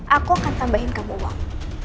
aku akan tambahin kamu uang